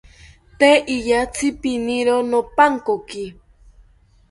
Tee iyatzi piniro nopankoki